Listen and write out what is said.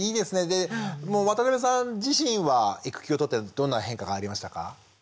で渡邊さん自身は育休取ってどんな変化がありましたか？